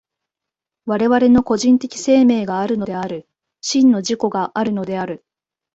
我々の個人的生命があるのである、真の自己があるのである。